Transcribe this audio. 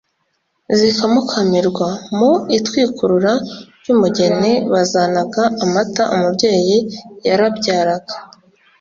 zikamukamirwa. Mu itwikurura ry'umugeni bazanaga amata. Umubyeyi yarabyaraga,